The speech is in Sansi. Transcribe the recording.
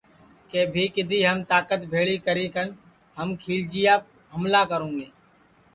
کہ بھی کِدھی ہم تاکت بھیݪی کری کن ہم کھیلچیاپ ہملہ کروُنگے